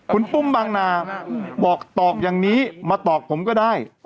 คุณปุ้มบางนาบอกตอบอย่างนี้มาตอบผมก็ได้